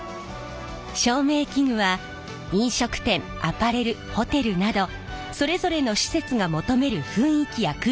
照明器具は飲食店アパレルホテルなどそれぞれの施設が求める雰囲気や空間の印象を決める